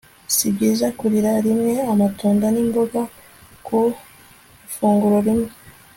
Si byiza kurira rimwe amatunda nimboga ku ifunguro rimwe